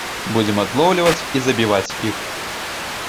Будзем адлоўліваць і забіваць іх.